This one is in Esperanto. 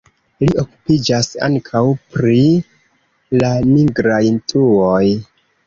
Li okupiĝas ankaŭ pri la nigraj truoj.